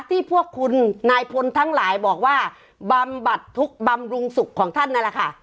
ที่พวกคุณนายพลทั้งหลายบอกว่าบำบัดทุกข์บำรุงสุขของท่านนั่นแหละค่ะ